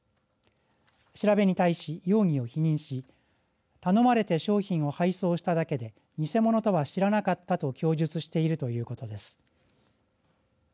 調べに対し、容疑を否認し頼まれて商品を配送しただけで偽物とは知らなかったと供述しているということです。